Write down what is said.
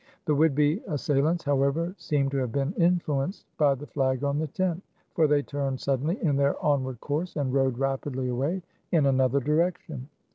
The would be assail ants, however, seemed to have been influenced by the flag on the tent ; for they turned suddenly in their onward course and rode rapidly away in another direction.